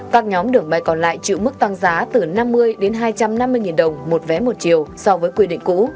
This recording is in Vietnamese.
các nhóm đường bay còn lại chịu mức toàn giá từ năm mươi hai trăm năm mươi đồng một vé một triệu so với quy định cũ